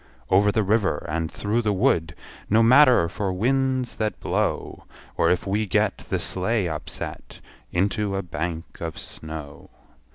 Over the river, and through the wood No matter for winds that blow; Or if we get The sleigh upset, Into a bank of snow.